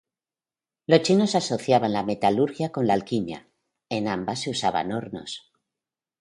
Los chinos asociaban la metalurgia con la alquimia, en ambas se usaban hornos.